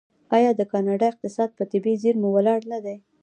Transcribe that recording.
آیا د کاناډا اقتصاد په طبیعي زیرمو ولاړ نه دی؟